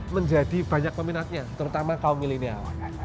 menjadi banyak peminatnya terutama kaum milenial